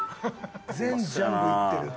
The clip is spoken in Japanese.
全ジャンルいってる。